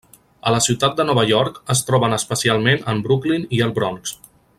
A la ciutat de Nova York es troben especialment en Brooklyn i el Bronx.